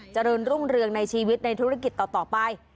เจริญรุ่งเรืองในชีวิตในธุรกิจต่อไป